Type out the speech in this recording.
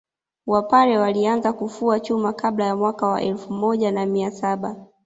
Wapare walianza kufua chuma kabla ya mwaka wa elfu moja na mia saba